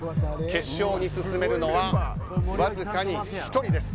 決勝に進めるのはわずかに１人です。